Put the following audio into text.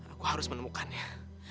aku harus menemukannya